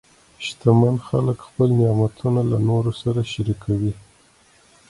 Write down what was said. شتمن خلک خپل نعمتونه له نورو سره شریکوي.